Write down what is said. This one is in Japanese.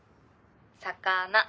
魚。